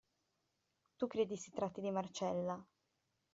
Tu credi si tratti di Marcella.